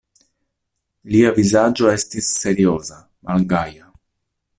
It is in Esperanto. Lia vizaĝo estis serioza, malgaja.